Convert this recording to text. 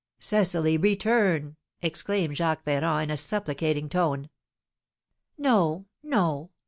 "Cecily, return!" exclaimed Jacques Ferrand, in a supplicating tone. "No, no!